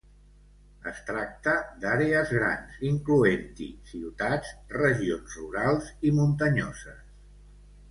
Es tracta d'àrees grans incloent-hi ciutats, regions rurals i muntanyoses.